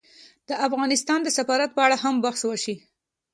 د افغانستان د سفارت په اړه هم بحث وشي